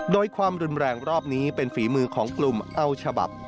โดยความรุนแรงรอบนี้เป็นฝีมือของกลุ่มเอาฉบับ